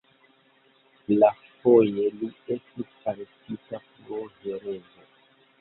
Iafoje li estis arestita pro herezo.